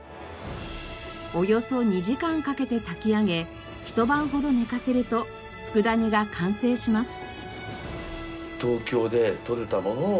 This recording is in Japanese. およそ２時間かけて炊き上げ一晩ほど寝かせると佃煮が完成します。